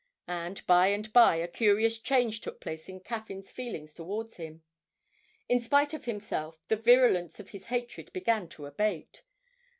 And by and by a curious change took place in Caffyn's feelings towards him; in spite of himself the virulence of his hatred began to abate.